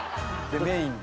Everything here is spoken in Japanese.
メイン